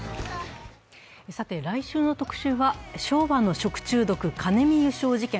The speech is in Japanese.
来週の特集は、昭和の食中毒、カネミ油症事件。